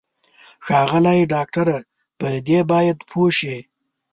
ښاغلی ډاکټره په دې باید پوه شې.